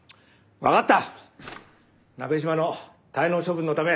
分かった。